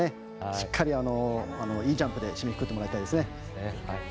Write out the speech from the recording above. しっかり、いいジャンプで締めくくってもらいたいですね。